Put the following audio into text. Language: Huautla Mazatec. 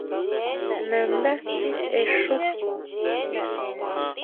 Nandá tisexu.